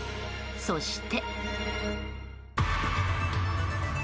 そして。